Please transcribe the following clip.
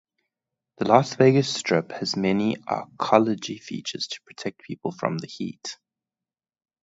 The Las Vegas Strip has many arcology features to protect people from the heat.